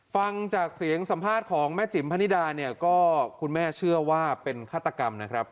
ฟังจากเสียงสัมภาษณ์ของแม่จิ๋มพนิดาเนี่ยก็คุณแม่เชื่อว่าเป็นฆาตกรรมนะครับ